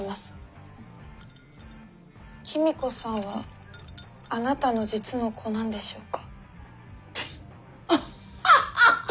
公子さんはあなたの実の子なんでしょうか？